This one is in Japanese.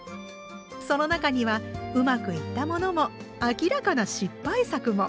その中にはうまくいったものも明らかな失敗作も。